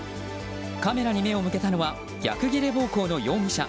カメラに目を向けたのは逆ギレ暴行の容疑者。